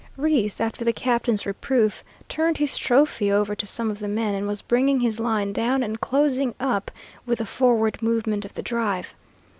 Reese, after the captain's reproof, turned his trophy over to some of the men, and was bringing his line down and closing up with the forward movement of the drive.